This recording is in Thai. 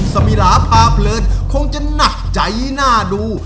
สมีระภาพเลิศคงจะหนักใจหน้าดู